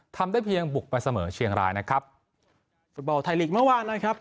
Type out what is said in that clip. ทำได้เพียงบุกไปเสมอเชียงรายนะครับฟุตบอลไทยลีกเมื่อวานนะครับ